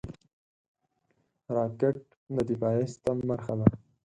راکټ د دفاعي سیستم برخه ده